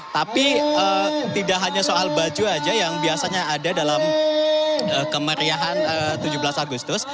tapi tidak hanya soal baju saja yang biasanya ada dalam kemeriahan tujuh belas agustus